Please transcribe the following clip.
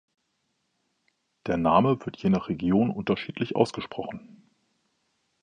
Der Name wird je nach Region unterschiedlich ausgesprochen.